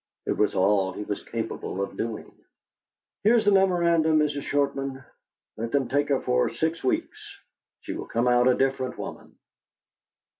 It was all he was capable of doing. "Here is the memorandum, Mrs. Shortman. Let them take her for six weeks. She will come out a different woman."